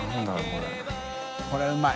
これうまい。